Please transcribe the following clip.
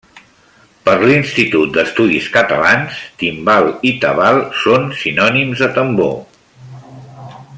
Per l'Institut d'Estudis Catalans, timbal i tabal són sinònims de tambor.